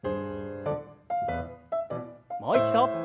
もう一度。